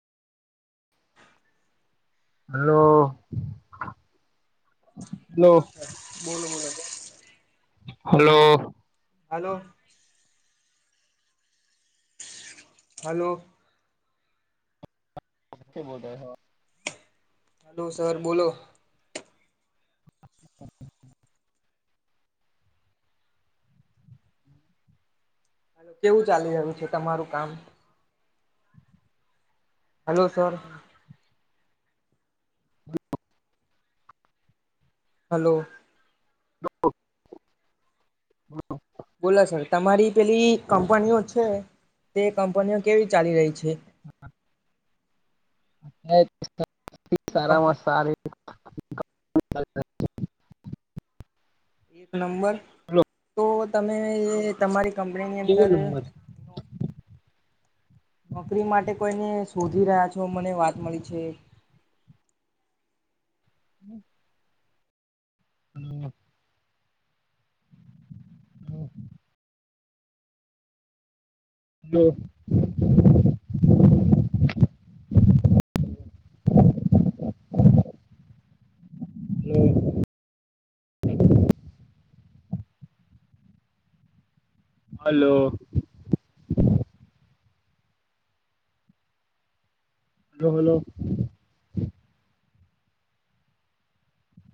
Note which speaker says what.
Speaker 1: Hello
Speaker 2: બોલો
Speaker 1: hello.
Speaker 2: Sir બોલો બોલો
Speaker 1: હલો
Speaker 2: હલો હલો
Speaker 1: કે બોતાય હ
Speaker 2: હલો સર બોલો હ કેવું ચાલી રહ્યું છે તમારું કામ હલો સર
Speaker 1: [inaudible]
Speaker 2: હલો
Speaker 1: [unintelligible]
Speaker 2: બોલો સર તમારી પેલી કંપનીઓ છે તે કંપનીઓ કેવી ચાલી રહી છે
Speaker 1: હા
Speaker 2: કંપ
Speaker 1: સારામાં સારી
Speaker 2: એક નંબર તો તમે તમારી કંપનીની
Speaker 1: કેવો
Speaker 2: અંદર
Speaker 1: નંબર
Speaker 2: નોકરી માટે કોઈને શોધી રહ્યા છો મને વાત મળી છે.
Speaker 1: [inaudible] હ હમ હલો હ હલો